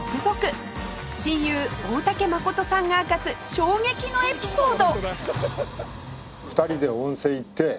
親友大竹まことさんが明かす衝撃のエピソード